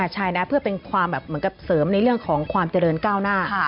ใช่นะเพื่อเป็นความแบบเหมือนกับเสริมในเรื่องของความเจริญก้าวหน้า